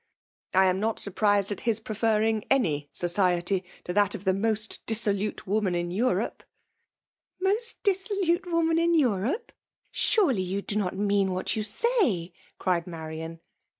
" I am not surprised at liis preferring any society to that of the most dissolute woman in Europe," " Most dissolute woman in Europe 1 — Surely you do not mean what you say V cried Marian.